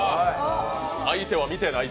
相手は見てない。